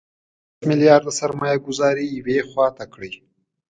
دغه لس میلیارده سرمایه ګوزاري یوې خوا ته کړئ.